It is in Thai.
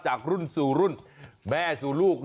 จากรุ่นสู่รุ่นแม่สู่ลูก